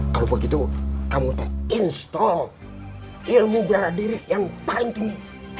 kalau begitu kamu tahu install ilmu bela diri yang paling tinggi